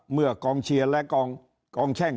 เมื่อกองเชียร์และกองแช่ง